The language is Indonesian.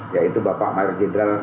yaitu bapak majelis jenderal